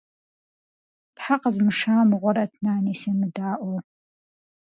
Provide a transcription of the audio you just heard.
Тхьэ къэзмыша мыгъуэрэт, Нани семыдаӏуэу.